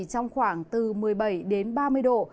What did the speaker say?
trong khoảng từ một mươi bảy đến ba mươi độ